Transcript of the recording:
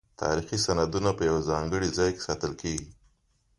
تاریخي سندونه په یو ځانګړي ځای کې ساتل کیږي.